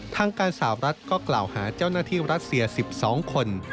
ทางการสาวรัฐก็กล่าวหาเจ้าหน้าที่รัสเซีย๑๒คน